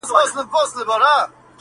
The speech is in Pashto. دا دښمن وي د عزت بلا د ځان وي!.